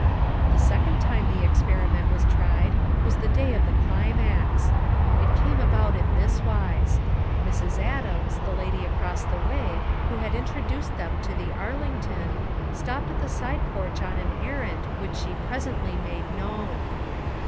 The second time the experiment was tried was the day of the climax. It came about in this wise. Mrs. Adams, the lady across the way, who had intro duced them to the Arlington, stopped at the side 114 FOUR MOTHERS AT CHAUTAUQUA porch on ail errand which she presently made known.